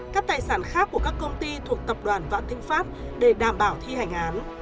các tài sản khác của các công ty thuộc tập đoàn vạn thịnh pháp để đảm bảo thi hành án